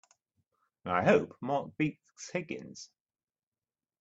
And I hope Mark beats Higgins!